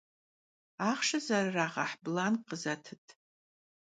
Axhşşe zerırağeh blank khızetıt.